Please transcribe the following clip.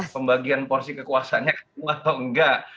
pembagian porsi kekuasanya ketemu atau nggak